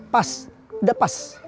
pas udah pas